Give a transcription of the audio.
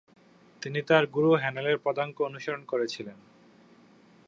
তিনি তাঁর গুরু হেনেলের পদাঙ্ক অনুসরণ করেছিলেন।